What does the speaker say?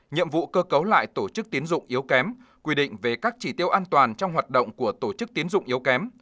nhiệm vụ cơ cấu lại tổ chức tiến dụng yếu kém quy định về các chỉ tiêu an toàn trong hoạt động của tổ chức tiến dụng yếu kém